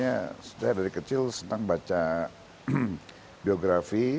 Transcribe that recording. ya sebetulnya saya dari kecil senang baca biografi